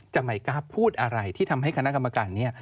ไม่กล้าพูดอะไรที่ทำให้คณะกรรมการนี้